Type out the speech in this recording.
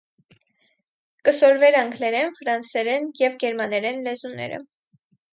Կը սորվէր անգլերէն, ֆրանսերէն եւ գերմաներէն լեզուները։